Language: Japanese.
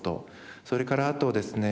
それからあとはですね